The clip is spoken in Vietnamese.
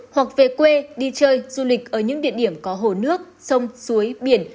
hoặc về quê đi chơi du lịch ở những địa điểm có hồ nước sông suối biển